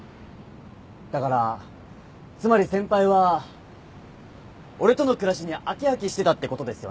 だからつまり先輩は俺との暮らしに飽き飽きしてたってことですよね？